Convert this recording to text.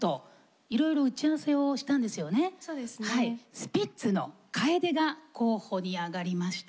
スピッツの「楓」が候補に挙がりました。